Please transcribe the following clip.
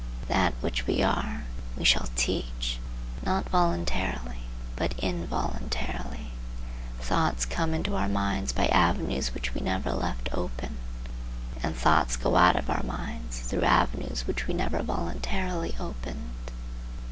That which we are, we shall teach, not voluntarily but involuntarily. Thoughts come into our minds by avenues which we never left open, and thoughts go out of our minds through avenues which we never voluntarily opened.